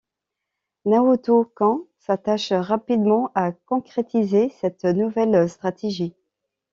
Naoto Kan s'attache rapidement à concrétiser cette Nouvelle Stratégie.